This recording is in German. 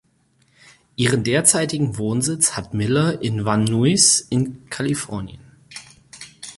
Ihren derzeitigen Wohnsitz hat Miller in Van Nuys in Kalifornien.